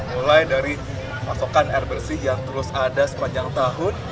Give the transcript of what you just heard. mulai dari pasokan air bersih yang terus ada sepanjang tahun